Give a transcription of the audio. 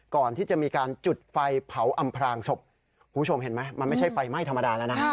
ก่อนที่จะมีการจุดไฟเผาอำพลางศพคุณผู้ชมเห็นไหมมันไม่ใช่ไฟไหม้ธรรมดาแล้วนะ